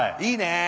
いいね。